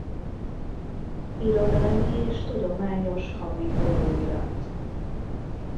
Irodalmi és tudományos havi folyóirat.